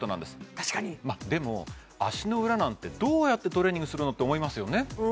確かにでも足の裏なんてどうやってトレーニングするの？って思いますよね